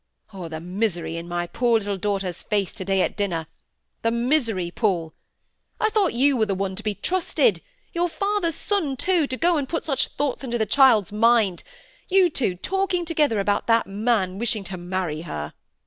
Oh, the misery in my poor little daughter's face to day at dinner—the misery, Paul! I thought you were one to be trusted—your father's son too, to go and put such thoughts into the child's mind; you two talking together about that man wishing to marry her."